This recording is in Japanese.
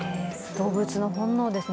動物の本能ですね。